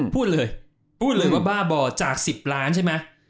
พูดเลยพูดเลยว่าบ้าบ่อจาก๑๐ล้านใช่ไหม